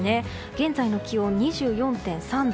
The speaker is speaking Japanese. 現在の気温２４．３度。